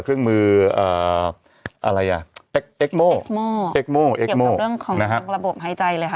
เครื่องมือเอ่ออะไรอ่ะเอ็กโมเอ็กโมเอ็กโมเรื่องของระบบหายใจเลยค่ะ